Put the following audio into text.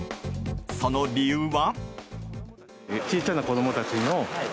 その理由は。